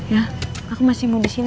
ya aku masih mau disini